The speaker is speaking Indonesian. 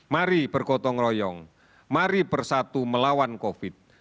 mari bergotong royong mari bersatu melawan covid sembilan belas